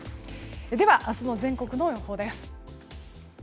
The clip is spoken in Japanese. では明日の全国の予報です。